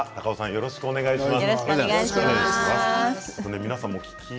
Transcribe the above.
よろしくお願いします。